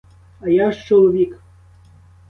А я ж чоловік.